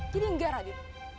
jadi enggak radit